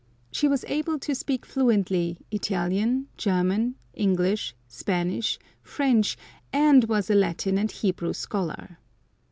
She was able to speak fluently Italian, German, English, Spanish, French, and was a Latin and Hebrew scholar.